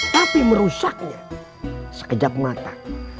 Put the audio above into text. tapi merusaknya sekejap mata